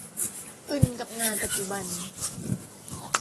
อึนกับงานปัจจุบัน